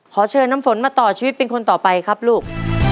ขอเชิญน้ำฝนมาต่อชีวิตเป็นคนต่อไปครับลูก